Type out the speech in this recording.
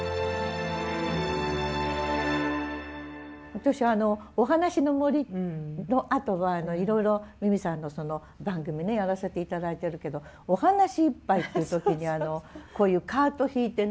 私あの「おはなしのもり」のあとはいろいろ美巳さんの番組やらせて頂いてるけど「おはなしいっぱい」って時にこういうカート引いてね